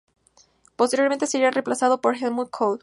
Posteriormente sería reemplazado por Helmut Kohl.